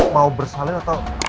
mau bersalin atau